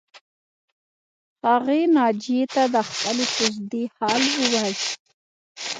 هغې ناجیې ته د خپلې کوژدې حال ووایه